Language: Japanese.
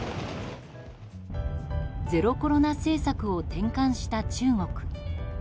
ゼロコロナ政策を転換した中国。